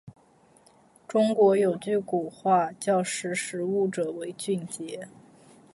中国有句古话，叫“识时务者为俊杰”。